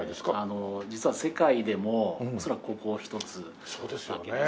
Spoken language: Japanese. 実は世界でも恐らくここひとつだけですね。